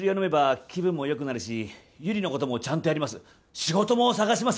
仕事も探します。